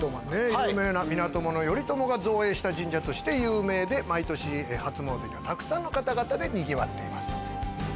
有名な源頼朝が造営した神社として有名で毎年初詣はたくさんの方々でにぎわっています。